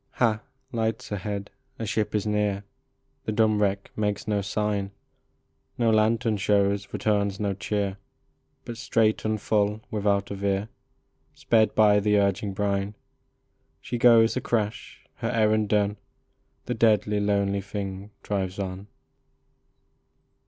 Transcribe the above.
Ha ! lights ahead ! A ship is near ! The dumb wreck makes no sign ; No lantern shows, returns no cheer, But straight and full, without a veer, Sped by the urging brine She goes a crash ! her errand done, The deadly, lonely thing drives on.